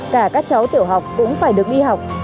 cả các cháu tiểu học cũng phải được đi học